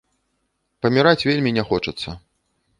Паміраць вельмі не хочацца.